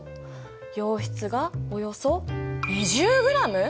溶質がおよそ２０ｇ！？